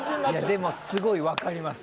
でもすごいわかります。